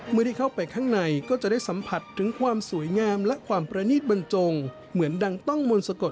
เมื่อที่เข้าไปข้างในก็จะได้สัมผัสถึงความสวยงามและความประนีตบันจง